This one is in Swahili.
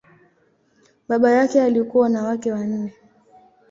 Baba yake alikuwa na wake wanne.